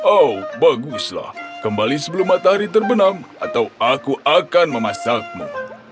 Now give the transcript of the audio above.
oh baguslah kembali sebelum matahari terbenam atau aku akan memasakmu